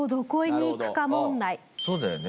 そうだよね。